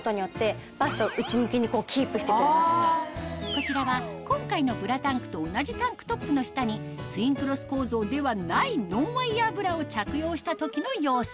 こちらは今回のブラタンクと同じタンクトップの下にツインクロス構造ではないノンワイヤーブラを着用した時の様子